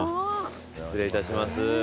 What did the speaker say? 失礼いたします。